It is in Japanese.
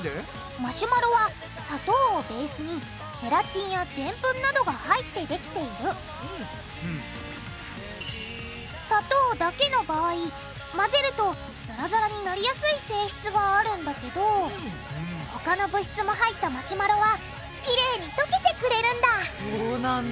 マシュマロは砂糖をベースにゼラチンやデンプンなどが入ってできている砂糖だけの場合混ぜるとザラザラになりやすい性質があるんだけど他の物質も入ったマシュマロはきれいにとけてくれるんだそうなんだ。